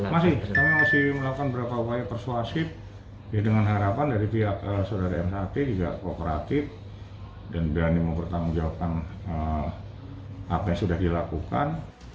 masih kami masih melakukan beberapa upaya persuasif ya dengan harapan dari pihak saudara msat juga kooperatif dan berani mempertanggungjawabkan apa yang sudah dilakukan